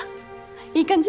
いい感じ？